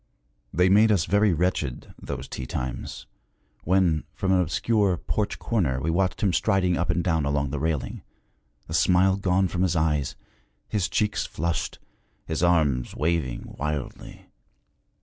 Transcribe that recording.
They made us very wretched, those tea times, when from an obscure porch corner we watched him striding up and down along the railing, the smile gone from his eyes, his cheeks flushed, his arms waving wildly.